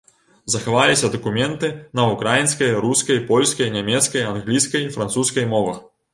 Захаваліся дакументы на ўкраінскай, рускай, польскай, нямецкай, англійскай, французскай мовах.